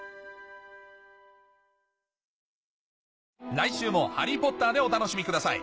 来週も『ハリー・ポッター』でお楽しみください